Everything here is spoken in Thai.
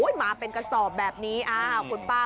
ขายมาตั้งสี่สิบกว่าปีแล้ว